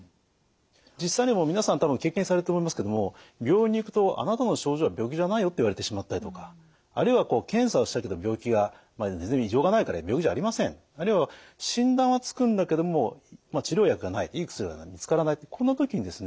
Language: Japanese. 実際にもう皆さん多分経験されてると思いますけれども病院に行くと「あなたの症状は病気じゃないよ」って言われてしまったりとかあるいはこう検査をしたけど病気が異常がないから病気じゃありませんあるいは診断はつくんだけども治療薬がないいい薬が見つからないこんな時にですね